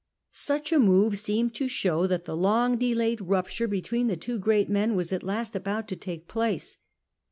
Such a move seemed to show that the long delayed rupture between the two groat men was at last about to take place.